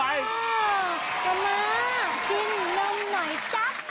มามามามากินนมหน่อยจ๊ะ